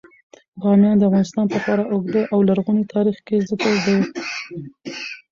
بامیان د افغانستان په خورا اوږده او لرغوني تاریخ کې ذکر دی.